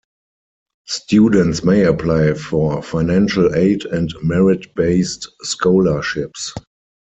Students may apply for financial aid and merit-based scholarships.